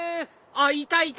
あっいたいた！